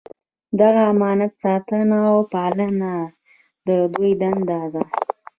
د دغه امانت ساتنه او پالنه د دوی دنده ده.